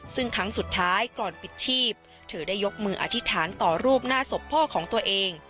ซึ่งครั้งสุดท้ายก่อนปิดชีพเธอได้ยกมืออธิษฐานต่อรูปหน้าศพพ่อของตัวเอง